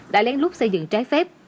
đã lén lút xây dựng trái phép